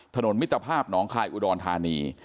มิตรภาพหนองคายอุดรธานี